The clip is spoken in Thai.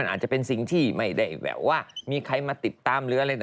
อาจจะเป็นสิ่งที่ไม่ได้แบบว่ามีใครมาติดตามหรืออะไร